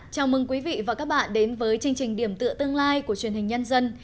chào mừng quý vị và các bạn đến với chương trình điểm tựa tương lai của truyền hình nhân dân